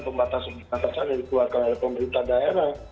pembatasan pembatasan yang dikeluarkan oleh pemerintah daerah